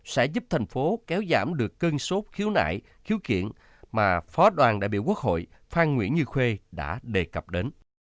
sẽ giúp thành phố kéo giảm được cơn sốt khiếu nại khiếu kiện mà phó đoàn đại biểu quốc hội phan nguyễn như khuê đã đề cập đến